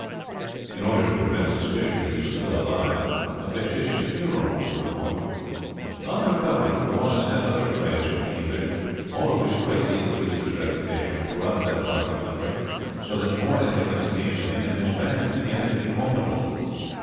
In order to prevent suspicion that he was still alive a fictitious funeral was performed. On recovering, Wallace had other frays with the English, all of which greatly increased his reputation throughout that part of the country, so that more adherents came to him, and his band began to be formidable.